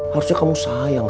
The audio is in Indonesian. harusnya kamu sayang